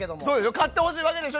勝ってほしいわけでしょ。